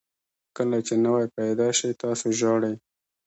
کله چې نوی پیدا شئ تاسو ژاړئ.